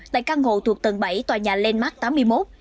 tại căn hộ thuộc tầng bảy tòa nhà landmark tám mươi một